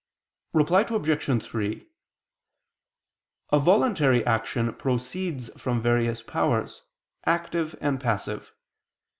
Reply Obj. 3: A voluntary action proceeds from various powers, active and passive.